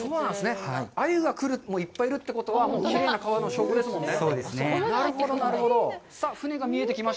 アユがいっぱいいるということはきれいな川の証拠ですもんね。